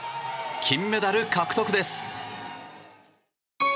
金メダル獲得です。